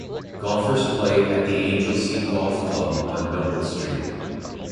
Golfers play at the Anglesea Golf Club on Noble Street.